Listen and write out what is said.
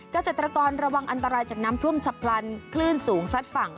เกษตรกรระวังอันตรายจากน้ำท่วมฉับพลันคลื่นสูงซัดฝั่ง